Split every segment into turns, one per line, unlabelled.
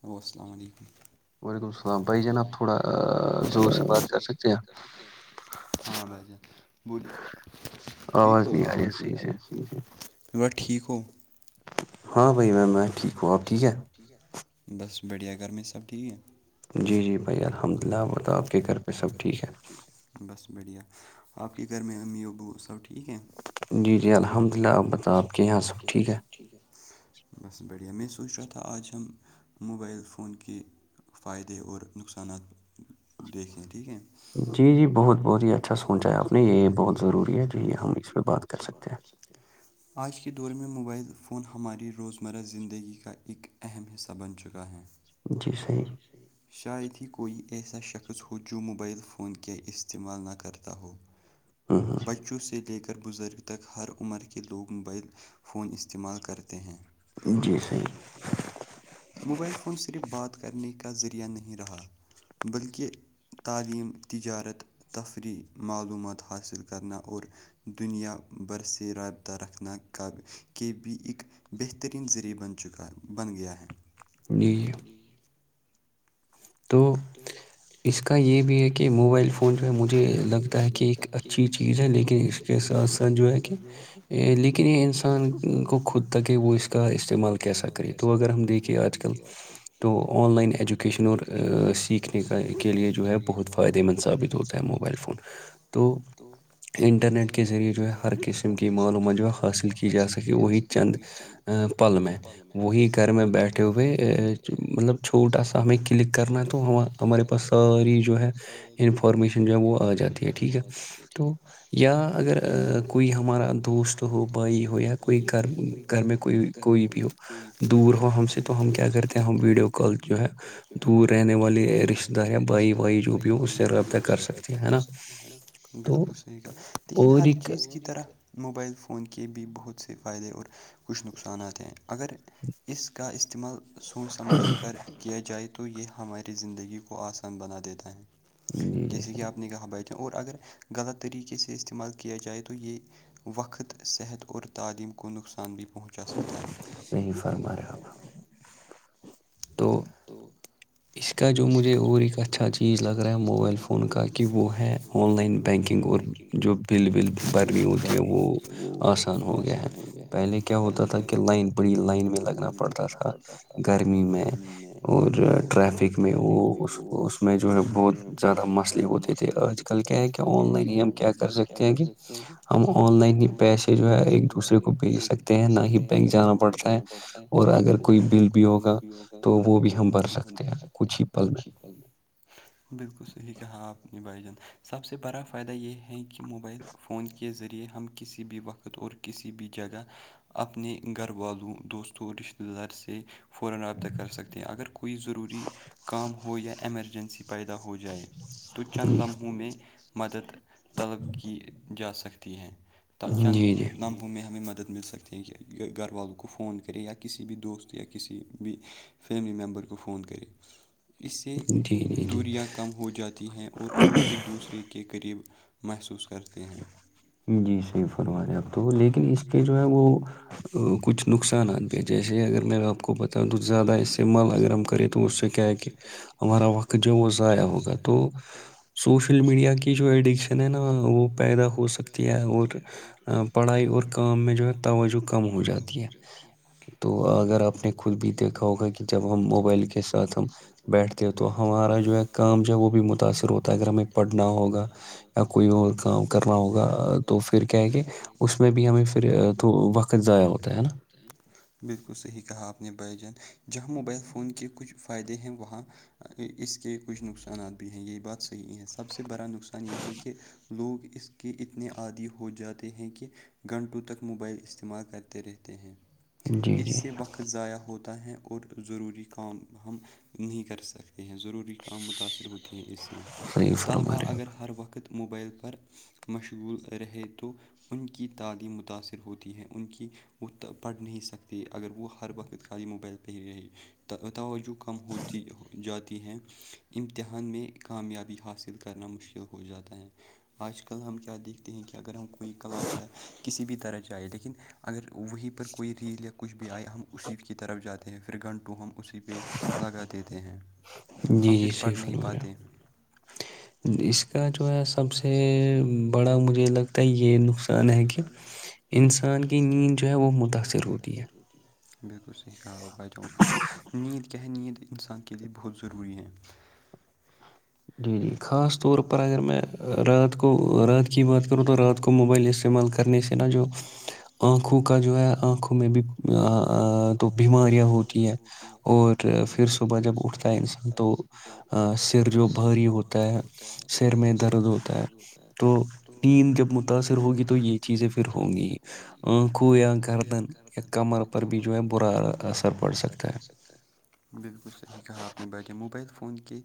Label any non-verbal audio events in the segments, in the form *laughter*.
hello السلام علیکم وعیکم سلام بھائی جان آپ تھوڑا سے بات کر سکتے ہیں ہاں بھائی جان بولیے ٹھیک ہو ٹھیک ہو
ہاں بھائی میم میں ٹھیک ہوں آپ ٹھیک ہے
بس بڑھیا گرمی سب ٹھیک ہے
جی جی بھائی الحمد للہ بتاؤ آپ کے گھر پہ سب ٹھیک ہے
بس بڑھیا آپ کے گھر میں امی ابو سب ٹھیک ٹھیک ہے جی جی الحمد للہ آپ بتا کے یہاں سب ٹھیک ہے بس بڑھیا میں سوچ رہا تھا آج ہم موبائل فون کے فائدے اور نقصانات دیکھیں ٹھیک ہے
جی جی بہت بہت ہی اچھا سوچا ہے آپ نے یہ بہت ضروری ہے جو یہ ہم اس پہ بات کر سکتے ہیں
آج کے دور میں موبائل فون ہماری روزمرہ زندگی کا ایک اہم حصہ بن چکا ہے شاید ہی کوئی ایسا شخص ہو جو موبائل فون کے استعمال نہ کرتا ہو بچوں ست لے کر بزرگ تک ہر عمر کے لوگ موبائل فون استعمال کرتے ہیں
جی صحیح
موبائل فون صرف بات کرنے کا ذریعہ نہیں رہا بلکہ تعلیم تجارت تفریح معلومات حاصل کرنا اور دنیا بھر سے رابطہ رکھنا قابل کے بھی اک بہترین ذریعہ بن چکا بن گیا ہے
نیو ک تو اس کا یہ بھی ہے کہ موبائل فون جو ہے مجھے لگتا ہے کہ ایک اچھی چیز ہے لیکن اس کے ساتھ ساتھ جو ہے کہ لیکن یہ انسان کو خود تک ہے وہ اس کا استعمال کیسا کرے تو اگر ہم دیکھے آج کل تو آن لائن ایجوکیشن اور سیکھنے کا کے لیے جو ہے بہت فائدہ مند ثابت ہوتا ہے موبائل فون تو انٹرنیٹ کے ذریعے جو ہے ہر قسم کی معلومات جو ہے حاصل کی جا سکے وہی چند پل میں وہی گھر میں بیٹھے ہوئے ا مطلب چھوٹا سا ہمیں کلک کرنا ہے تو ہم ہمارے پاس ساری جو ہے انفارمیشن جو ہے وہ آ جاتی ہے ٹھیک ہے تو یا اگر کوئی ہمارا دوست ہو بھائی ہو یا کوئی گھر گھر میں کوئی کوئی بھی ہو دور ہو ہم سے تو ہم کیا کرتے ہیں ہم ویڈیو کال جو ہے دور رہنے والے رشتے دار یا بھائی بھائی جو بھی ہو اس سے رابطہ کر سکتے ہیں ہے نا
بالکل صحیح ات لیکن ہر چیز کی طرح موبائل فون کے بھی بہت سے فائدے اور کچھ نقصانات ہیں اگر اس کا استعمال سوچ سمجھ کر کیا جائے تو یہ ہماری زندگی کو آسان بنا دیتا ہے جیسے کہ آپ نے کہا بھائی اور اگر غلط طریقے سے استعمال کیا جائے تو یہ وقت صحت اور تعلیم کو نقصان بھی پہنچا سکتا ہے فم
تو
تو
اس کا جو مجھے اور ایک اچھا چیز لگ رہا ہے موبائل فون کا کہ وہ ہے آن لائن بینکنگ اور جو بل ول بر رہی ہوتی ہے وہ آسان ہو گیا ہے پہلے کیا ہوتا تھا کہ لائن بڑی لائن میں لگنا پڑتا تھا گرمی میں اور ٹریفک میں وہ اس اس میں جو ہے بہت زیادہ مسئلے ہوتے تھے آج کل کل کیا ہے کہ آن لائن ہی ہم کیا کر سکتے ہیں کہ ہم آن لائن ہی پیسے جو ہے ایک دوسرے کو بھیج سکتے ہیں نہ ہی بینک جانا پڑتا ہے اور اگر کوئی بل بھی ہوگا تو وہ بھی ہم بھر سکتے ہیں
ہم بھر سکتے ہیں کچھی پل بالکل صحیح کہا اپنی بھائی جان سب سے بڑا فائدہ یہ ہے کہ موبائل فون کے ذریعے ہم کسی بھی وقت اور کسی بھی جگہ اپنے گھر والوں دوستوں رشتتے دار سے فورا رابطہ کر سکتے ہیں اگر کوئی ضروری کام ہو یا ایمرجنسی پیدا ہو جائے تو چند لمحوں میں مدد طلب کی جا سکتی ہے ت چند ن وہ میں ہمیں مدد مل سکتی ہے کہ گھر والوں کو فون کرے یا کسی بھی دوست یا کسی بھی فیملی ممبر کو فون کرے اس سے دوریاں کم ہو جاتی ہیں اور لوگ ایک دوسرے کے کے قریب محسوس کرتے ہیں
جی صحیح فرما رہے اب تو لیکن اس پہ جو ہے وہ کچھ نقصانات پہ جیسے اگر میں آپ کو بتاؤں تو زیادہ استعمال اگر ہم کریں تو اس سے کیا ہے کہ ہمارا وقت جو وہ ضائع ہوگا تو سوشل میڈیا کی جو ایڈکشن ہے نا وہ پیدا ہو سکتی ہے اور پڑھائی اور کام میں جو ہے توجہ کم ہو جاتی ہے تو اگر آپ نے خود بھی دیکھا ہوگا کہ جب ہم موبائل کے ساتھ ہم بیٹھتے ہو تو ہمارا جو ہے کام جو ہے وہ بھی متاثر ہوتا ہے اگر ہمیں پڑھنا ہوگا یا کوئی اور کام کرنا ہوگا تو پھر کیا ہے کہ اس میں بھی ہمیں پھر وقت ضائع ہوتا ہے نا
بالکل صحیح کہا آپ نے بائی جان جہاں موبائل فون فون کے کچھ فائدے ہیں وہاں اس کے کچھ نقصانات بھی ہیں یہ بات صحیح ہےر سب سے بڑا نقصان یہ ہے کہ لوگ اس کے اتنے عادی ہو جاتے ہیں کہ گھنٹوں تک موبائل استعمال کرتے رہتے ہیں اس سے وقت ضائع ہوتا ہے اور ضروری کام ہم نہیں کر سکتے ہیں ضرور کام متاثر ہوتے ہیں اس سے طلبا اگر ہر وقت موبائل پر مشغول رہے تو ان کی تعلیم متاثر ہوتی ہے ان کی وہ پڑھ نہیں سکتے اگر وہ ہر وقت خالی موبائل پہ ہی رہے توجہ کم ہوتی جا تی ہیں امتحان میں کامیابی حاصل کرنا مشکل ہو جاتا ہے آج کل ہم کیا دیکھتے ہیں کہ اگر ہم کوئی کلاس ہے کسی بھی طرح چاہیں لیکن اگر وہیں پر کوئی ریل یا کچھ بھی آیا ہم اسی کی طرف جاتے ہیں پھر گھنٹو ہم اسی پہ لگا دیتے ہیں ہم پھر پڑھ نہیں پاتے
اس کا جو ہے سب سے بڑا مجھے لگتا ہے یہ نقصان ہے کہ
*inaudible*
انسان کی نیند جو ہے وہ متاثر ہوتی ہے
بالکل صحیح گیا ہوگا جو
ہ *unintelligible*
نیند کیا ہے نیند انسان کے لیے بہت ضروری ہے
جی جی خاص طور پر اگر میں رات کو رات کی بات کروں تو رات کو موبائل استعمال کرنے سے نا جو آنکھوں کا جو ہے آنکھوں میں بھی تو بیماریاں ہوتی ہے اور پھر صبح جب اٹھتا ہے انسان تو سر جو بھاری ہو ہوتا ہے سر میں درد ہوتا ہے تو نیند جب متاثر ہوگی تو یہ چیزیں پھر ہوں گی آنکھوں یا گردن یا کمر پر بھی جو ہے برا اثر پڑ سکتا
پڑسکتا ہے بالکل صحیح کہا اپنے بھائی جان موبائل فون کے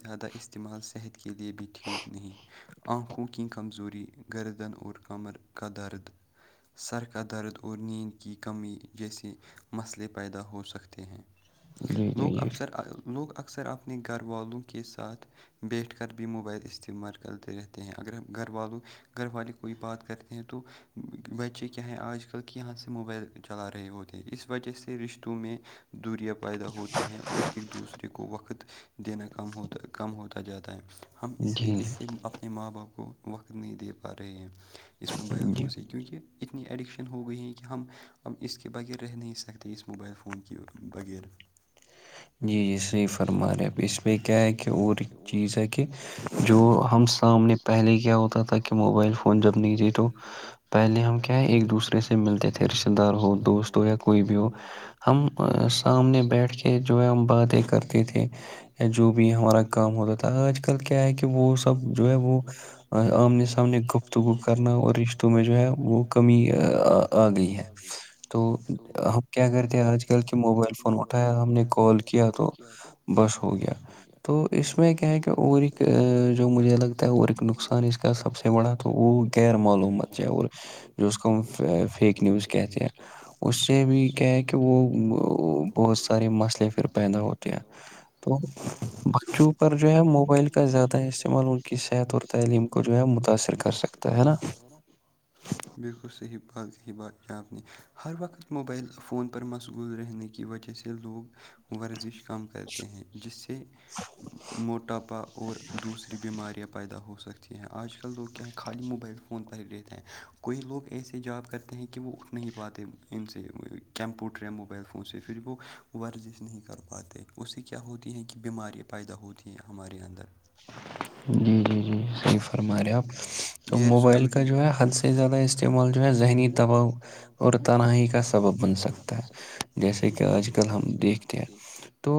زیادہ استعمال صحت کے لیے بھی ٹھیک نہیں آنکھوں کی کمزوری گردن اور کمر کا درد سر کا درد اور نیند کی کمی جیسے مسئلے پیدا ہو سکتے ہیں لوگ اکثر لوگ اکثر اپنے گھر والوں کے ساتھ بیٹھ کر بھی موبائل استعمال کرتے رہتے ہیں اگر ہم گھر والوں گھر والے کوئی بات کرتے ہیں تو بچے کیا ہیں آج کل کے یہاں سے موبایل چلا رہے ہوتے ہیں اس وجہ سے رشتوں میں دوریاں پیدا ہوتی ہیں اور ایک دوسرے کو وقت دینا کم ہوتا کم ہوتا جاتا ہے ہم اس سے اپنے ماں باپ کو وقت نہیں دے پا رہے ہیں اس مبائل فون سے کیونکہ اتنی ایڈکشن ہو گئی ہیں کہ ہم اب اس کے بغیر رہ نہیں سکتے اس موبائل فون کی بغیر
جی جی صحیح فرما رہے ہیں آپ اس میں کیا ہے کہ اور چیز ہے کہ جو ہم سامنے پہلے کیا ہوتا تھا کہ موبائل فون جب نہیں تھے تو پہلے ہم کیا ہے ایک دوسرے سے ملتے تھے رشتے دار ہو دوست ہو یا کوئی بھی ہو ہم سامنے بیٹھ کے جو ہے ہم باتیں کرتے تھے یا جو بھی ہمارا کم وقت آج کل کیا ہے کہ وہ سب جو ہے وہ آمنے سامنے گ تو وہ کرنا اور رشتوں میں جو ہے وہ کمی آ گئی ہے تو ہم کیا کرتے ہیں آج کل کہ موبائل فون اٹھایا ہم نے کال کیا تو بس ہو گیا تو اس میں کیا ہے کہ اور ایک جو مجھے لگتا ہے اور ایک نقصان اس کا سب سے بڑا تو وہ غیر معلومات جو اور جو اس کو فیک نیوز کہتے ہیں اس سے بھی کیا ہے کہ وہ بہت سارے مسئلے پھر
مسلے پھر پیدا ہوتے ہیں
تو باقی بچوں پر جو ہے موبائل کا زیادہ استعمال ان کی صحت اور تعلیم کو جو ہے متاثر کر سکتا
کر سکتے ہے نا بالکل صحیح بات صحیح کی بھائی جان آپ نے ہر وقت موبائل فون پر مشغول رہنے کی وجہ سے یہ لوگ ورزش کام کرتے ہیں جس سے موٹا پا اور دوسری بیماریاں پیدا ہو سکتی ہیں آج کل لوگ کیا ہیں خالی موبائل فون پہ ہی رہتے ہیں کوئی لوگ ایسے جاب کرتے ہیں کہ وہ اٹھ نہیں پاتے ان سے کمپیوٹر یا موبائل فون سے پھر وہ ورزش نہیں کر پاتے اس سے کیا ہوتی ہیں کہ بیماریاں پیدا ہوتی ہیں ہمارے اندر *inaudible*
جی جی جی صحیح فرما رہے آپ تو موبائل کا جو ہے حد سے زیادہ ملج ہے ذہنی دباؤ اور تنہاہی کا سبب بن سکتا ہے جیسے کہ آج کل ہم دیکھتے ہیں تو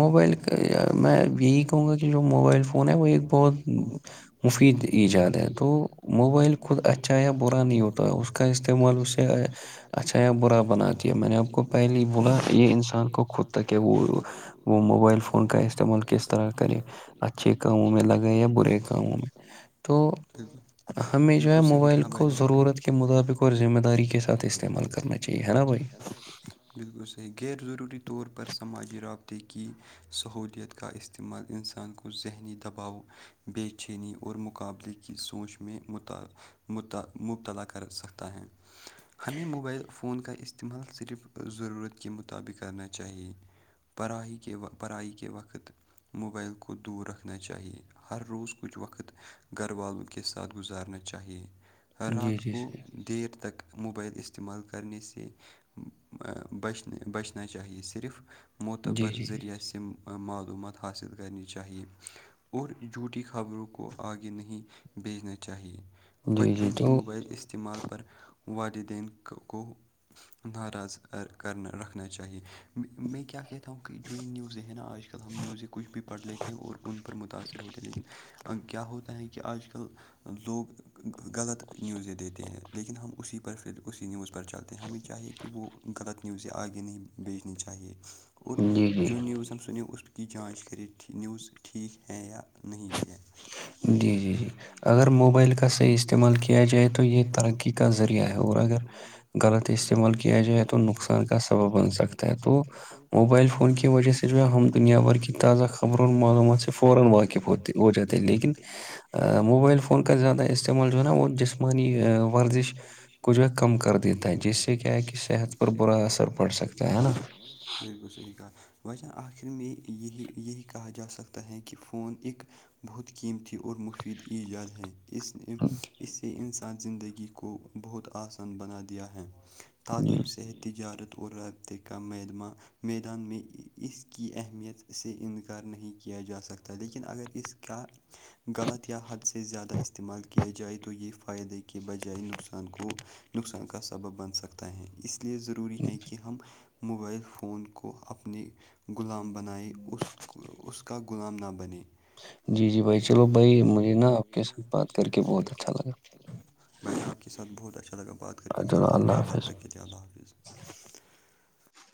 موبائل کا میں ویک ہوں گا کہ لگ موبائل فون ہے وہ ایک بہت مفید ایجاد ہے تو موبائل خود اچھا اچھا یا برا نہیں ہوتا اس کا استعمال اس سے اچھا یا برا بناتی ہے میں نے آپ کو پہلی بولا یہ انسان کو خود تک ہے وہ وہ موبائل فون کا ہے استعمال کس طرح کریں اچھے کاموں میں لگے یا برے کاموں میں تو ہمیں جو ہے موبائل کو ضرورت کے مطابق اور ذمہ داری کے ساتھ استعمال کرنا چاہیے ہے نا بھائی
بالکل صحیح غیر ضروری طور پر سماجی رابطے کی سہج ت کا استعمال انسان کو ذہنی دباؤ بے چینی اور مقابلے کی سوچ میں مبتلا کر سکتا ہے ہمیں موبائل فون کا اس استعمال صرف ضرورت کے مطابق کرنا چاہیے پڑھائی کے و پڑھائی کے وقت وقت موبائل کو دور رکھنا چاہیے ہر روز کچھ وقت گھر والوں کے ساتھ گزارنا چاہیے رات کو دیر تک موبائل استعمال کرنے سے بچن بچنا چاہیے صرف معتبر ذریعہ سےم معلومات حاصل کرنی چاہیے اور جھوٹی خبروں کو آگے نہیں بھیجنا چاہیے بچوں کے موبائل استعمال پر والدین کو ناراض کرنا رکھنا چاہیے میں کیا ک ا کی جو نیوز ہے ہیں ن آج آج کل ہم نیوزیں کچھ بھی پڑھ لیتے ہیں اور ان پر متاأثر ہوتے ہیں لیکن کیا ہوتا ہے کہ آج کل لوگ غلط نیوزیں دیتے ہیں لیکن ہم اسی پر پھر اسی نیوز پر چلتے ہیں ہمیں چاہیے کہ وہ غلط نیوزیں آگے نہیں بھیجنی چاہیے اور جو نیوز ہم سنیں اس کی جانچ کرے نیوز ٹھیک ہے یا نہیں بھی ہے ہ *unintelligible* *inaudible*
جی جی جی اگر موبائل کا صحیح استعمال کیا جائے تو یہ ترقی کا ذریعہ ہے اور اگر غلط استعمال کیا جائے تو نقصان کا سبب بن سکتا ہے تو موبائل فون کی وجہ سے جو ہے ہم دنیا بھر کی تازہ خبروں اور معلومات سے فورا واقف ہوتے ہو جاتے لیکن موبائل فون کا زیادہ استعمال جو ہے نا وہ جسمانی ورزش کچھ ہے کم کر دیتا ہے جس سے کیا ہے کہ صحت پر برا اثر پڑ سکتا ہے نا
بالکل صحیحات وا آ چ م یہی یہی کہا جا سکتا ہے کہ فون ایک بہت قیمتی اور مفید ایجاد ہیں اس اس سے انسان زندگی کو بہت آسان بنا دیا ہے تعلیم صحت تجارت اورور رابطے کا مدمہ میدان میں اس کی اہمیت سے انکار نہیں کیا جا سکتا لیکن اگر اس کا غلط یا حد سے زیادہ استعمال کر ہے کیا جائے تو یہ فائدے کے بجائے نقصان کو نقصان کا سبب بن سکتا ہے اس لیے رور ضروری ہے کہ ہم موبائل فون کو اپنے غلام بنائے اس اس کا غلام نہ بنے
جی جی بھائی چلو بھائی مجھے نا آپ کے ساتھ بات کر کے بہت اچھا لگا
بٹھ آپ کے ساتھ بہتچھ لگ بات کر کے ملتے ہیں کل تب تک کےتےے اللہ حافظ